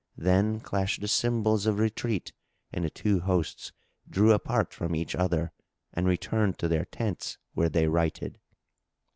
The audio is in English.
Then clashed the cymbals of retreat and the two hosts drew apart each from other, and returned to their tents, where they nighted.